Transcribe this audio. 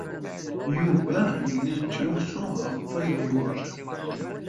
Yuba yella yettrusu ɣef wayyur.